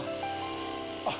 あっ。